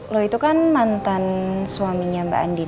lo itu kan mantan suaminya mbak andi